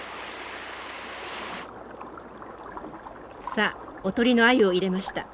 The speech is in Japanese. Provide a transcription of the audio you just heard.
さあおとりのアユを入れました。